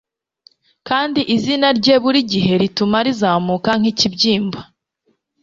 Kandi izina rye burigihe rituma rizamuka nkikibyimba